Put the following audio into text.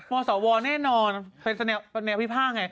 มสวแน่นอนเป็นแสนวพี่พ่างไง